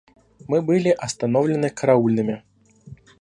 Мы были остановлены караульными.